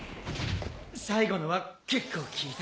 最後のは結構効いた。